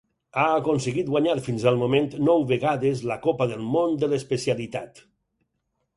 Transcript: Ha aconseguit guanyar fins al moment nou vegades la Copa del Món de l'especialitat.